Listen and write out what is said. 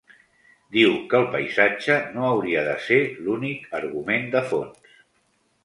Diu que el paisatge no hauria de ser l’únic argument de fons.